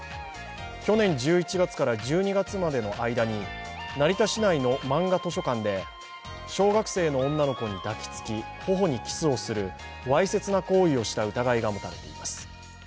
去年１１月から１２月までの間に成田市内のまんが図書館で小学生の女の子に抱きつき頬にキスをするわいせつな行為をした疑いが持たれています。